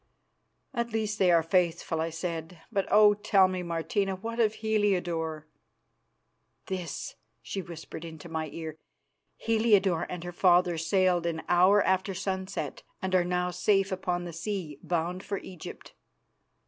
"At least they are faithful," I said. "But, oh! tell me, Martina, what of Heliodore?" "This," she whispered into my ear. "Heliodore and her father sailed an hour after sunset and are now safe upon the sea, bound for Egypt."